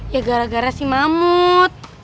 ya gara gara si mamut